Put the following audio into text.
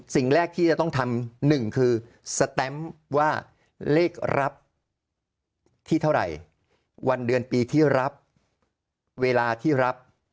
สิ่งแรกที่จะต้องทำหนึ่งคือสแตมป์ว่าเลขรับที่เท่าไหร่วันเดือนปีที่รับเวลาที่รับ